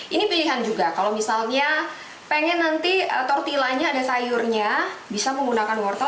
ini pilihan juga kalau misalnya pengen nanti tortillanya ada sayurnya bisa menggunakan wortel